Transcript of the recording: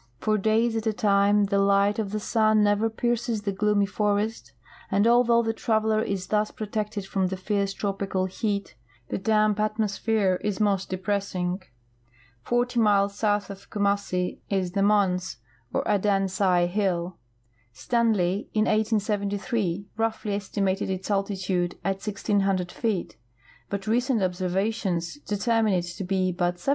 For days at a time the liglit of the sun never pierces the gloomy forest, and, although the traveler is thus l)rotected from the fierce tropical heat, the damp atmosphere is most depressing. Fort}^ miles south of Kumassi is the INIonse or Adansai hill. Stanley, in 1873, roughly estimated its altitude at 1,600 feet, but recent observations determine it to be but 700.